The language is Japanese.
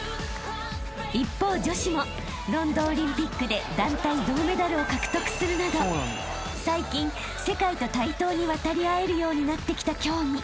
［一方女子もロンドンオリンピックで団体銅メダルを獲得するなど最近世界と対等に渡り合えるようになってきた競技］